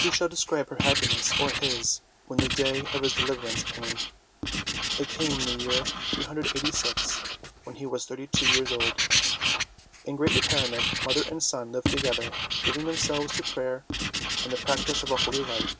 Who shall describe her happiness, or his, when the day of his deliverance came ? It came in the year 386 when he was thirty two years old. In great retirement, mother and son lived together, giving themselves to prayer and the practise of a holy life.